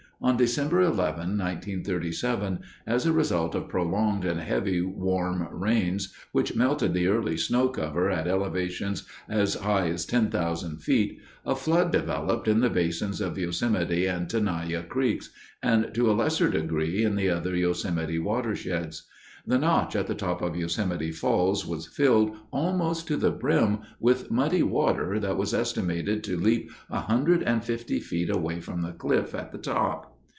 On December 11, 1937, as a result of prolonged and heavy warm rains which melted the early snow cover at elevations as high as 10,000 feet, a flood developed in the basins of Yosemite and Tenaya creeks, and to a lesser degree in the other Yosemite watersheds. The notch at the top of Yosemite Falls was filled almost to the brim with muddy water that was estimated to leap 150 feet away from the cliff at the top.